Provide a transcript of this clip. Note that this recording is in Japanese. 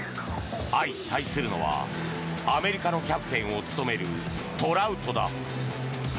相対するのは、アメリカのキャプテンを務めるトラウトだ。